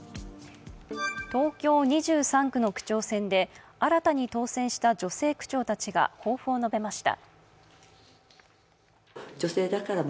東京２３区の区長選で新たに当選した女性区長たちが抱負を述べました。